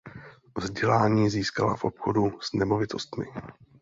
Vzdělání získala v obchodu s nemovitostmi.